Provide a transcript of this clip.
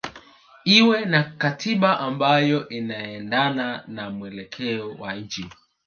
iwe na katiba ambayo inaendana na mwelekeo wa nchi